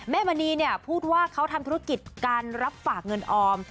มณีเนี่ยพูดว่าเขาทำธุรกิจการรับฝากเงินออม